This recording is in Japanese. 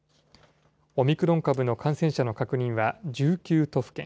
オミクロン株の感染者の確認は１９都府県。